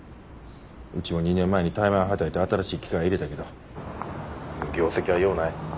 うちも２年前に大枚はたいて新しい機械入れたけど業績はようない。